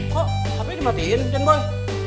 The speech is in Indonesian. kok hp dimatiin den boy